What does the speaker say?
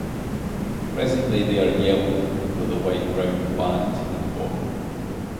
Presently they are yellow with a wide brown band at the bottom.